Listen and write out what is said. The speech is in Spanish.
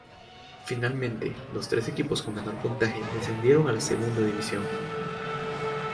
Finalmente, los tres equipos con menor puntaje descendieron a la Segunda División.